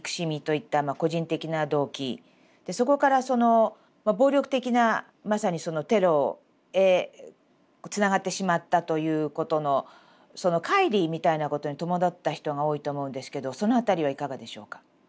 そこからその暴力的なまさにそのテロへつながってしまったということのそのかい離みたいなことに戸惑った人が多いと思うんですけどそのあたりはいかがでしょうか？